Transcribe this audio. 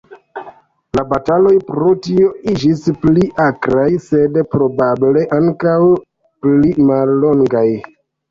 La bataloj pro tio iĝis pli akraj, sed probable ankaŭ pli mallongaj.